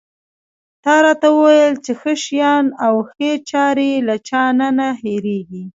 تا راته وویل چې ښه شیان او ښې چارې له چا نه نه هېرېږي.